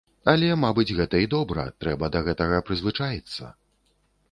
Але, мабыць, гэта і добра, трэба да гэтага прызвычаіцца.